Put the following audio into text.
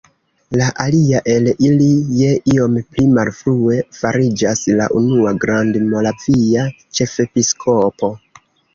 La alia el ili je iom pli malfrue fariĝas la unua grandmoravia ĉefepiskopo.